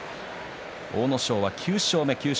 阿武咲は９勝目です。